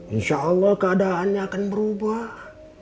insya allah keadaannya akan berubah